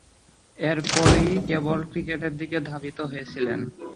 এরপরই কেবল ক্রিকেটের দিকে ধাবিত হয়েছিলেন।